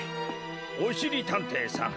おしりたんていさん